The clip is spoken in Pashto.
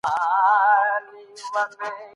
نوی نسل بايد له پلرونو سره خپل فکري تفاوت وپېژني.